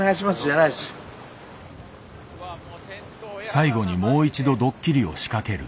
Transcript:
最後にもう一度ドッキリを仕掛ける。